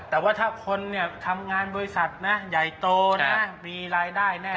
แต่ว่าถ้าคนเนี่ยทำงานบริษัทนะใหญ่โตนะมีรายได้แน่